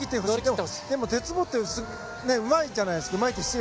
でも鉄棒ってうまいじゃないですか。